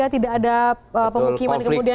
tidak ada pemukiman kemudian di rangun